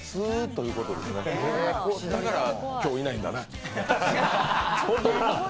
だから今日いないんやな。